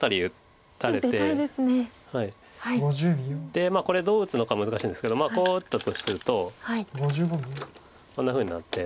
でこれどう打つのか難しいんですけどこう打ったとするとこんなふうになって。